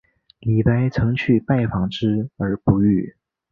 李白曾去拜访之而不遇。